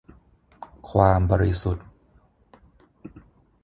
ความบริสุทธิ์